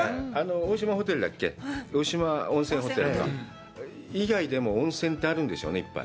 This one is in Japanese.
大島温泉ホテルか、以外でも、温泉ってあるんでしょうね、いっぱい。